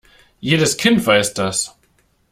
Jedes Kind weiß das.